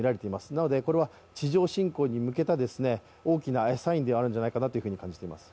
なのでこれは地上侵攻に向けた大きなサインではないのかなと感じています。